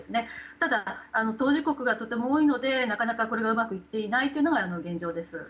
ただ、当事国がとても多いのでなかなかこれがうまくいっていないのが現状です。